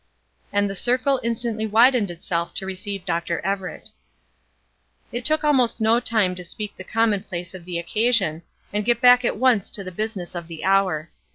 And the circle instantly widened itself to receive Dr. Everett. It took almost no time to speak the commonplace of the occasion, and get back at once to the business of the hour.